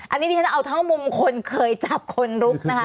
อันนี้ที่ฉันเอาเท่ามุมคนเคยจับคนลุกนะคะ